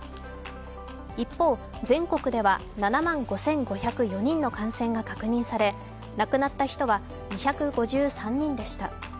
一方、全国では７万５５０４人の感染が確認され、亡くなった人は２５３人でした。